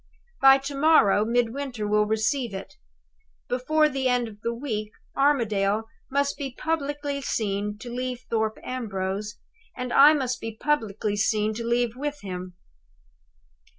"By to morrow Midwinter will receive it. Before the end of the week Armadale must be publicly seen to leave Thorpe Ambrose; and I must be publicly seen to leave with him.